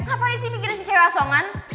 apaan sih mikirin si cewek asongan